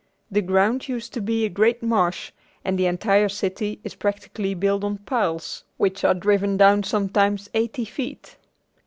The ground used to be a great marsh and the entire city is practically built on piles which are driven down sometimes eighty feet.